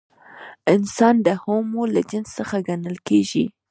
انسان د هومو له جنس څخه ګڼل کېږي.